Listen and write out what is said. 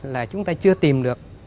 là chúng ta chưa tìm được